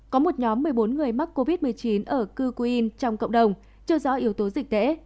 có một nhóm một mươi bốn người mắc covid một mươi chín ở cư quuen trong cộng đồng chưa rõ yếu tố dịch tễ